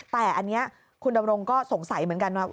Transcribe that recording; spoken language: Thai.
แต่อันนี้คุณดำรงก็สงสัยเหมือนกันว่า